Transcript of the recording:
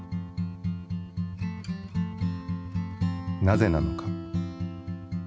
なぜなのか？